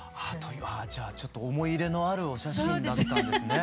じゃあちょっと思い入れのあるお写真だったんですね。